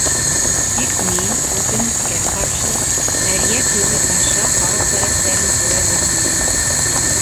Тик мин, үкенескә ҡаршы, әрйә көбө аша һарыҡ бәрәстәрен күрә белмәйем.